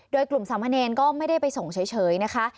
โดยกลุ่มสามเณรก็ไม่ได้ไปส่งเฉยนะคะ